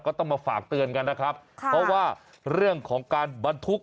ก็ต้องมาฝากเตือนกันนะครับเพราะว่าเรื่องของการบรรทุก